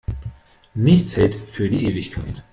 Nichts hält für die Ewigkeit.